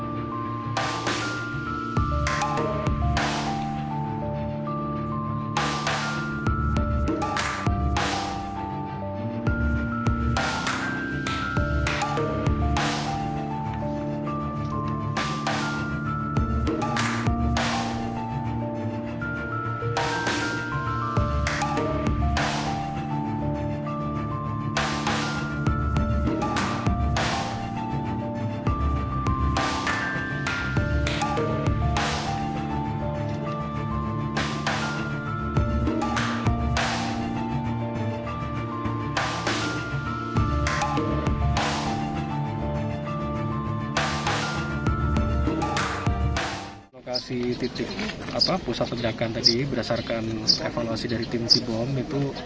makasih titik apa pusat pergerakan tadi berdasarkan evaluasi dari tim cibom itu